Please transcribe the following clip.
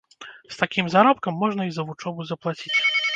З такім заробкам можна і за вучобу заплаціць.